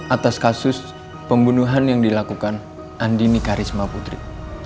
atas kasus pembunuhan yang dilakukan andini karisma putri